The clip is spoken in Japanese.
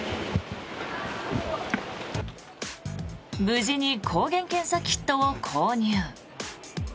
無事に抗原検査キットを購入。